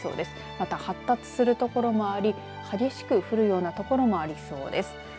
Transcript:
また発達する所もあり激しく降るような所もありそうです。